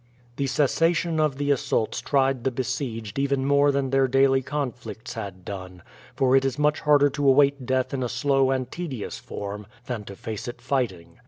The cessation of the assaults tried the besieged even more than their daily conflicts had done, for it is much harder to await death in a slow and tedious form than to face it fighting.